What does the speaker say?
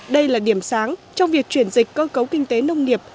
đây là điểm sáng trong việc chuyển dịch cơ cấu kinh tế nông nghiệp